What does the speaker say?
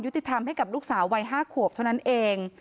ติธรรมให้กับลูกสาววัย๕ขวบเท่านั้นเอง